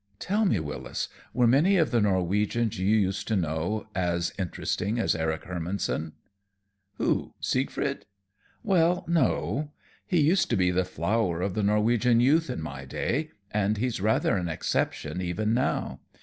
"Tell me, Wyllis, were many of the Norwegians you used to know as interesting as Eric Hermannson?" "Who, Siegfried? Well, no. He used to be the flower of the Norwegian youth in my day, and he's rather an exception, even now.